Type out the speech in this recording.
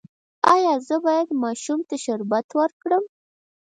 ایا زه باید ماشوم ته شربت ورکړم؟